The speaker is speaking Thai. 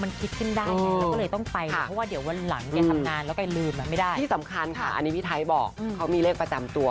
มันคิดถึงได้เลยที่สำคัญค่ะอันนี้พี่ไทท์บอกเขามีเลขประจำตัว